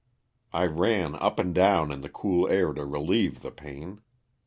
I ran up and down in the cool air to relieve the pain.